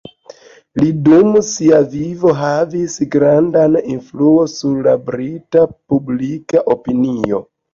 Li dum sia vivo havis grandan influon sur la brita publika opinio.